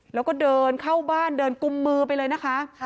แล้วก็เดินเข้าบ้านเดินกุมมือไปเลยนะคะ